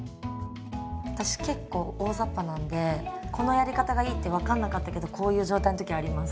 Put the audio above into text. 私結構大ざっぱなんでこのやり方がいいって分かんなかったけどこういう状態の時あります。